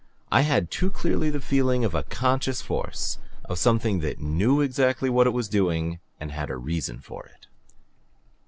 I had too clearly the feeling of a CONSCIOUS force, a something that KNEW exactly what it was doing and had a REASON for it."